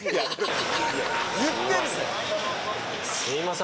言ってんのよ。